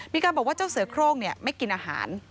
มีการบอกว่าเจ้าเสือโครงไม่กินอาหาร